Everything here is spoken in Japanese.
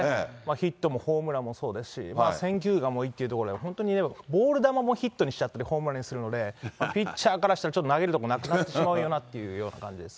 ヒットもホームランもそうですし、選球眼もいいというところで、本当にボール球もヒットにしちゃったり、ホームランにするので、ピッチャーからしたら、ちょっと投げるところなくなってしまうなっていう感じです。